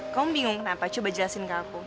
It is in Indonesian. kau bingung kenapa coba jelasin ke aku